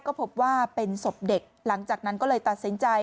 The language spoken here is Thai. ก็พบว่าเป็นศพเด็กหลังจากนั้นก็เลยตัดสินใจ